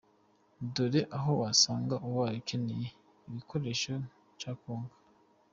Dore aho wabasanga ubaye ukeneye igikoresho cya Konka.